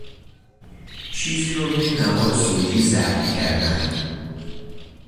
چیزی را روی نوار صوتی ضبط کردن